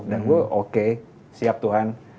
dan gue oke siap tuhan